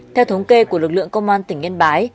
theo thống kê của lực lượng công an tỉnh yên bái